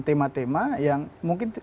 tema tema yang mungkin